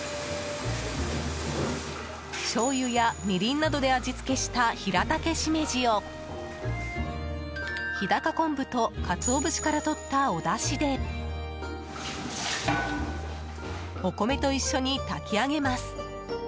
しょうゆやみりんなどで味付けしたひらたけしめじを日高昆布とかつおぶしからとったおだしでお米と一緒に炊き上げます。